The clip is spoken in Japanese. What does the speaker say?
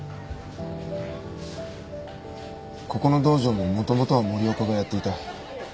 ここの道場ももともとは森岡がやっていた。